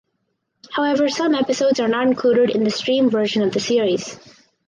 However some episodes are not included in the streamed version of the series.